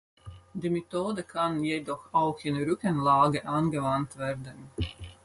Die Methode kann jedoch auch in Rückenlage angewandt werden.